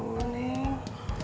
ya allah neng